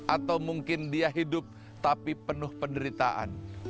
atau mungkin dia hidup tapi penuh penderitaan